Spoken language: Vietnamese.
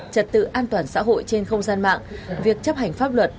trật tự an toàn xã hội trên không gian mạng việc chấp hành pháp luật